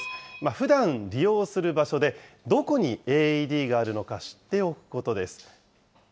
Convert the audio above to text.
ふだん利用する場所で、どこにＡＥＤがあるのか知っておくことです。